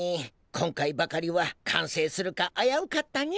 今回ばかりは完成するかあやうかったにゃ！